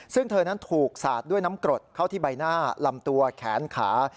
ซึ่งเธอนั้นถูกสาดด้วยน้ำกรดเข้าที่ใบหน้าลำตัวแขนขา